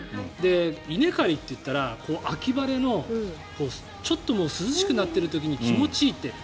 稲刈りって言ったら秋晴れのちょっと涼しくなってる時に気持ちいいって。